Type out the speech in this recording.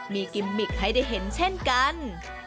มีกิมมิกให้ได้เห็นเช่นกัน